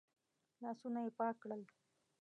لاسونه يې پاک کړل.